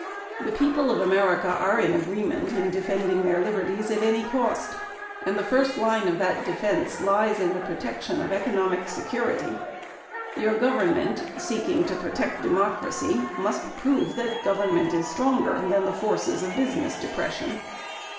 The people of America are in agreement in defending their liberties at any cost, and the first line of that defense lies in the protection of economic security. Your government, seeking to protect democracy, must prove that government is stronger than the forces of business depression.